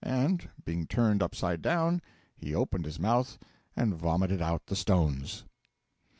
And being turned upside down, he opened his mouth and vomited out the stones.